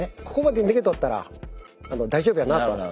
ここまで逃げとったら大丈夫やなと。